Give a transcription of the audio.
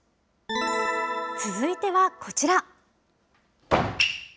続いては、こちら。